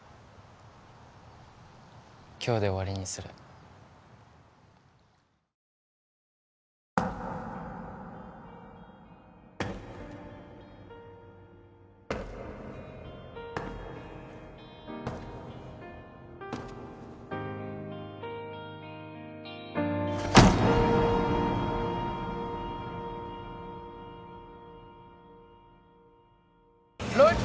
今日で終わりにするオーライ